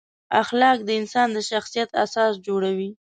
اخلاق د انسان د شخصیت اساس جوړوي.